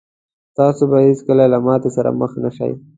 تاسو به هېڅکله له ماتې سره مخ نه شئ.